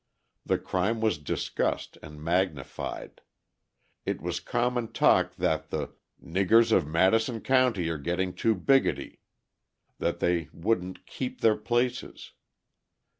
The crime was discussed and magnified; it was common talk that the "niggers of Madison County are getting too bigoty" that they wouldn't "keep their places."